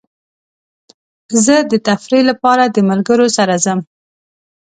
زه د تفریح لپاره د ملګرو سره ځم.